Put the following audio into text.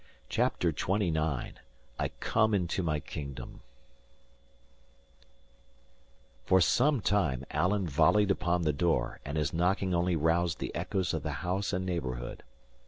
CHAPTER XXIX I COME INTO MY KINGDOM For some time Alan volleyed upon the door, and his knocking only roused the echoes of the house and neighbourhood.